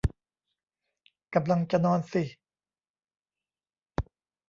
กำลังจะนอนสิ